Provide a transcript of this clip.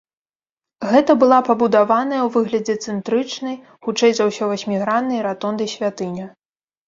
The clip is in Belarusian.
Гэта была пабудаваная ў выглядзе цэнтрычнай, хутчэй за ўсё васьміграннай ратонды святыня.